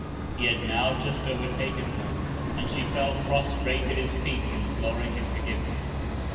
He had now just overtaken her, and she fell prostrate at his Feet imploring his Forgiveness.